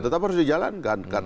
tetap harus dijalankan